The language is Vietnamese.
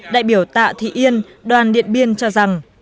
đại biểu tạ thị yên đoàn điện biên cho rằng